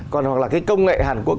còn hoặc là cái công nghệ hàn quốc